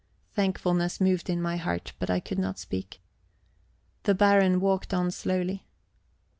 Thankfulness moved in my heart, but I could not speak. The Baron walked on slowly.